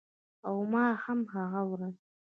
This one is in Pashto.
او ما هم هغه ورځ